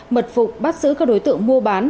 mật phục bắt giữ các đối tượng mua bán